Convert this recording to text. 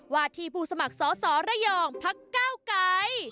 ที่ผู้สมัครสอสอระยองพักเก้าไกร